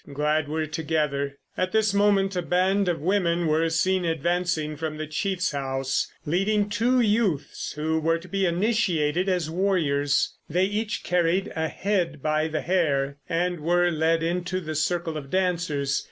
Glad we're together." At this moment a band of women were seen advancing from the chief's house, leading two youths who were to be initiated as warriors. They each carried a head by the hair and were led into the circle of dancers.